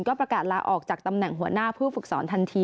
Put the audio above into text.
ก็ประกาศลาออกจากตำแหน่งหัวหน้าผู้ฝึกสอนทันที